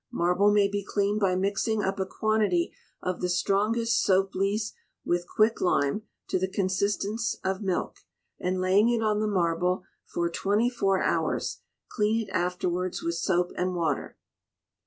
Marble may be Cleaned by mixing up a quantity of the strongest soap lees with quick lime, to the consistence of milk, and laying it on the marble for twenty four hours; clean it afterwards with soap and water.